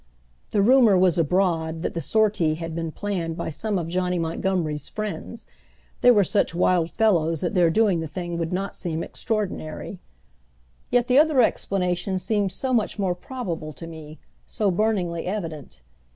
The rumor was abroad that the sortie had been planned by some of Johnny Montgomery's friends they were such wild fellows that their doing the thing would not seem extraordinary. Yet the other explanation seemed so much more probable to me, so burningly evident.